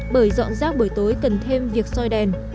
bởi dọn rác buổi tối cần thêm việc soi đèn